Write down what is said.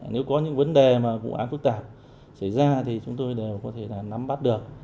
nếu có những vấn đề mà vụ án phức tạp xảy ra thì chúng tôi đều có thể là nắm bắt được